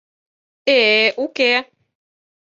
Э-э-э, уке!